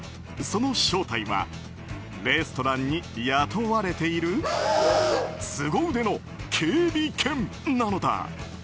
その正体はレストランに雇われているすご腕の警備犬なのだ。